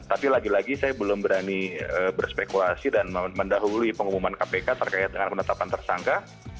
tapi lagi lagi saya belum berani berspekulasi dan mendahului pengumuman kpk terkait dengan penetapan tersangka